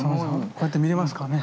こうやって見れますからね。